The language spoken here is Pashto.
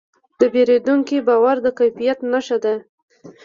د پیرودونکي باور د کیفیت نښه ده.